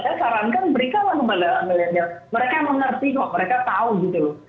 saya sarankan berikanlah kepada milenial mereka mengerti kok mereka tahu gitu loh